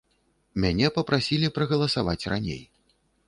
Мяне папрасілі прагаласаваць раней.